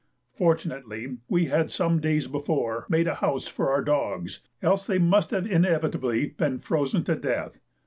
Fortunately we had some days before made a house for our dogs, else they must have inevitably been frozen to death.